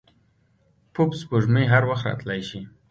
پوپ سپوږمۍ هر وخت راتلای شي.